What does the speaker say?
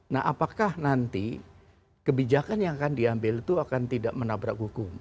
nah apakah nanti kebijakan yang akan diambil itu akan tidak menabrak hukum